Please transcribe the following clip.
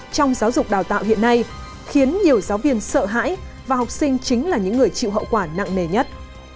trong giáo dục đào tạo hiện nay khiến nhiều giáo viên sợ hãi và học sinh chính là những người chịu hậu quả nặng nề nhất